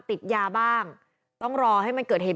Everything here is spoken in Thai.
ติดยาบ้างต้องรอให้มันเกิดเหตุ